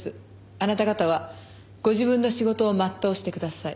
あなた方はご自分の仕事を全うしてください。